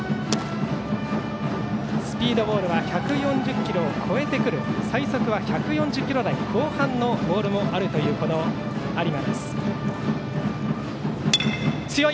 スピードボールは１４０キロを超えてくる最速は１４０キロ台後半のボールもあるという有馬。